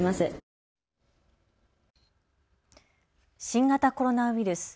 新型コロナウイルス。